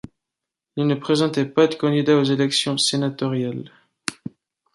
Il ne présentait pas de candidat aux élections sénatoriales.